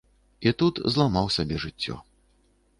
І тут зламаў сабе жыццё.